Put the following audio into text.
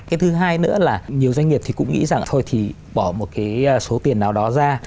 cái thứ hai nữa là nhiều doanh nghiệp thì cũng nghĩ rằng thôi thì bỏ một cái số tiền nào đó ra